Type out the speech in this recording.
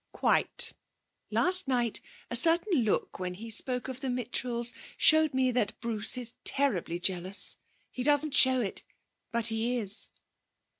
'Quite. Last night a certain look when he spoke of the Mitchells showed me that Bruce is terribly jealous. He doesn't show it, but he is.'